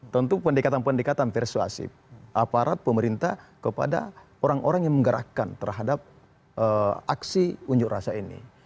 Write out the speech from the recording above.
tentu pendekatan pendekatan persuasif aparat pemerintah kepada orang orang yang menggerakkan terhadap aksi unjuk rasa ini